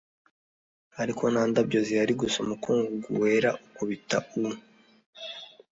ariko nta ndabyo zihari gusa umukungugu wera ukubita u